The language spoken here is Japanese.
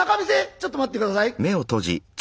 ちょっと待って下さい。